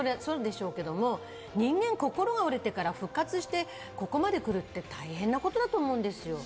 人間、心が折れてから復活して、ここまで来るって大変なことだと思うんですよ。